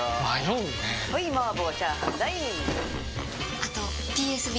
あとＰＳＢ